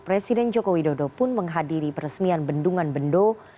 presiden joko widodo pun menghadiri peresmian bendungan bendo